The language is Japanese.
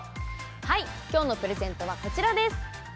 はい今日のプレゼントはこちらです